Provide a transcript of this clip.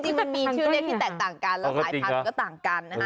จริงมันมีชื่อเรียกที่แตกต่างกันหลายทางก็ต่างกัน